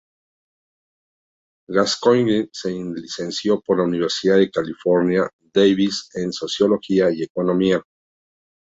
Gascoigne se licenció por la Universidad de California, Davis, en Sociología y Economía.